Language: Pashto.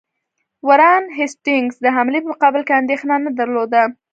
وارن هیسټینګز د حملې په مقابل کې اندېښنه نه درلوده.